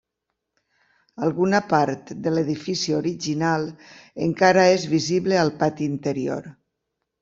Alguna part de l'edifici original encara és visible al pati interior.